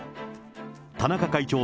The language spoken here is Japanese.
田中会長